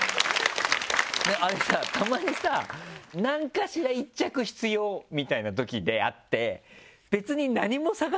あれさたまにさ何かしら１着必要みたいなときであって別に。